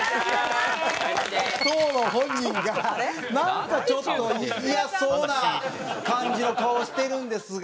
当の本人がなんかちょっとイヤそうな感じの顔をしてるんですが。